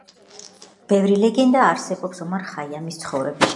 ბევრი ლეგენდა არსებობს ომარ ხაიამის ცხოვრების შესახებ.